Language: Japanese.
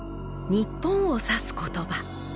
日本を指す言葉。